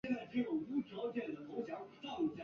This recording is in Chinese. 还有其它一些小变动。